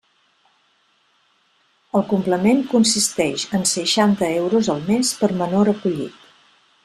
El complement consisteix en seixanta euros al mes per menor acollit.